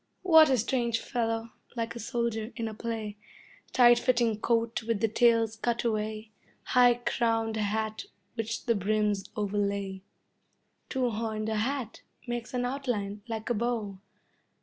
What a strange fellow, like a soldier in a play, Tight fitting coat with the tails cut away, High crowned hat which the brims overlay. Two horned hat makes an outline like a bow.